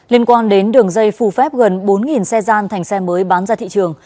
liên quan đến đường dây phù phép gần bốn xe gian thành xe mới bán ra thị trường